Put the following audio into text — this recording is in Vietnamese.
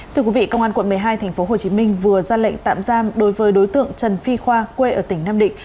thưa quý vị công an quận một mươi hai tp hcm vừa ra lệnh tạm giam đối với đối tượng trần phi khoa quê ở tỉnh nam định